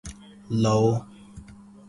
لاؤ